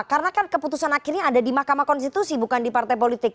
karena kan keputusan akhirnya ada di mahkamah konstitusi bukan di partai politik